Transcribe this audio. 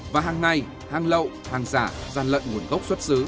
và hàng ngày hàng lậu hàng giả gian lận nguồn gốc xuất xứ